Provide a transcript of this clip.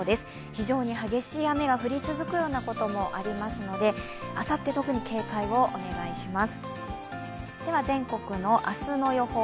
非常に激しい雨が降り続くようなこともありますのであさって、特に警戒をお願いします